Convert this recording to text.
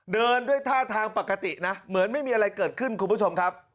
เดินด้วยท่าทางปกตินะเหมือนไม่มีอะไรเกิดขึ้นคุณผู้ชมครับ